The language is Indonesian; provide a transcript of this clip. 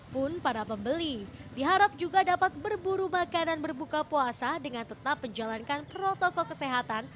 pun para pembeli diharap juga dapat berburu makanan berbuka puasa dengan tetap menjalankan protokol kesehatan